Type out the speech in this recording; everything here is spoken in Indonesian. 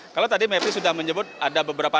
kalau tadi mepri sudah menyebut ada beberapa